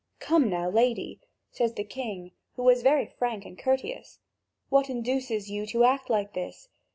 "Come now, lady," says the king who was very frank and courteous, "what induces you to act like this?